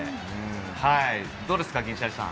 どうですか、銀シャリさん？